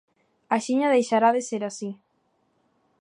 Axiña deixará de ser así.